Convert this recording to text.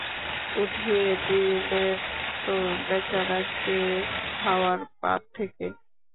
উঠিয়ে দিলে তো বেচেরা কে খাওয়ার পাত থেকে!